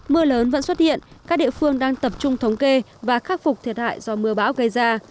mưa lớn vẫn xuất hiện các địa phương đang tập trung thống kê và khắc phục thiệt hại do mưa bão gây ra